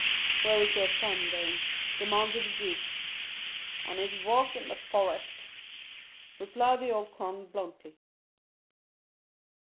"Where is your son, dame?" demanded the duke. "On his walk in the forest," replied the old crone bluntly.